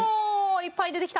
いっぱい出てきた。